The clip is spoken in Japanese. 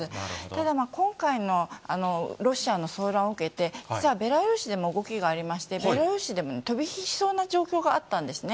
ただ、今回のロシアの騒乱を受けて、実はベラルーシでも動きがありまして、ベラルーシでも飛び火しそうな状況があったんですね。